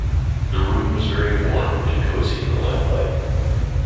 The room was very warm and cosy in the lamplight.